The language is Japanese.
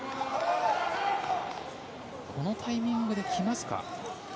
このタイミングで来ますか。